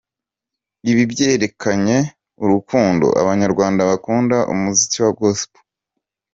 Ibi byerekanye urukundo abanyarwanda bakunda umuziki wa Gospel.